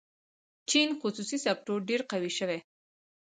چین خصوصي سکتور ډېر قوي شوی.